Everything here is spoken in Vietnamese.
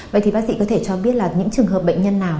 vậy thì bác sĩ có thể cho biết là những trường hợp bệnh nhân nào